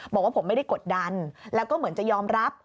บอกว่าผมไม่ได้กดดันแล้วก็เหมือนจะยอมรับ